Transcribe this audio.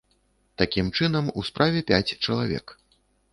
Такім чынам, у справе пяць чалавек.